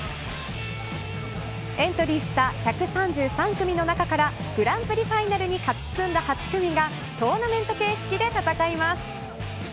エントリーした１３３組の中からグランプリファイナルに勝ち進んだ８組がトーナメント形式で戦います。